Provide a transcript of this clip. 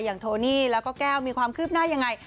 โทนี่แล้วก็แก้วมีความคืบหน้ายังไง